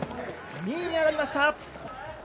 ２位に上がりました。